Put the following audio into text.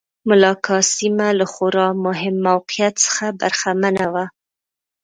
ملاکا سیمه له خورا مهم موقعیت څخه برخمنه وه.